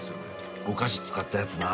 お菓子使ったやつな。